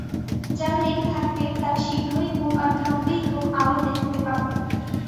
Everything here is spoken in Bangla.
যারা লেগে থাকবে, তারা শীঘ্রই হোক আর বিলম্বেই হোক আলো দেখতে পাবে।